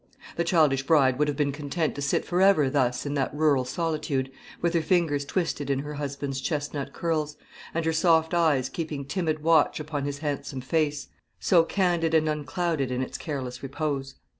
The childish bride would have been content to sit for ever thus in that rural solitude, with her fingers twisted in her husband's chestnut curls, and her soft eyes keeping timid watch upon his handsome face, so candid and unclouded in its careless repose.